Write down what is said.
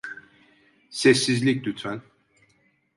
Sessizlik, lütfen!